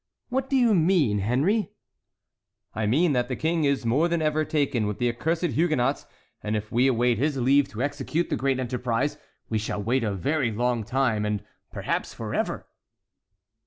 "What do you mean, Henry?" "I mean that the King is more than ever taken with the accursed Huguenots; and if we await his leave to execute the great enterprise, we shall wait a very long time, and perhaps forever."